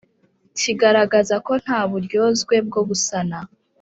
Kigaragaza ko nta buryozwe bwo gusana